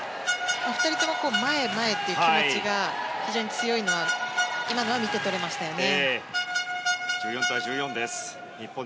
２人とも前へ、前へという気持ちが非常に強いのは今のは見て取れましたよね。